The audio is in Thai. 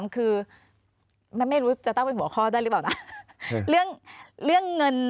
๓คือแม่งไม่รู้ว่าจะตั้งเป็นหัวข้อได้หรือเปล่านะ